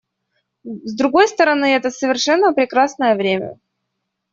С другой стороны, это совершенно прекрасное время.